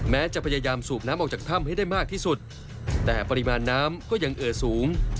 จะพยายามสูบน้ำออกจากถ้ำให้ได้มากที่สุดแต่ปริมาณน้ำก็ยังเอ่อสูง